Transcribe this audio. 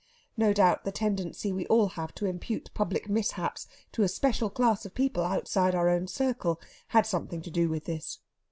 No doubt the tendency we all have to impute public mishaps to a special class of people outside our own circle had something to do with this.